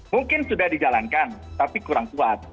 mungkin sudah dijalankan tapi kurang kuat